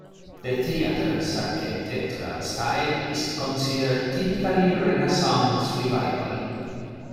The theatre's architectural style is considered typically Renaissance Revival.